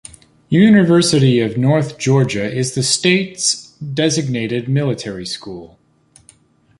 University of North Georgia is the state's designated military school.